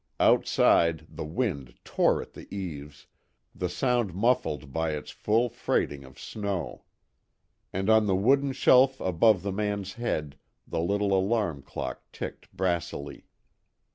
Outside, the wind tore at the eaves, the sound muffled by its full freighting of snow. And on the wooden shelf above the man's head the little alarm clock ticked brassily.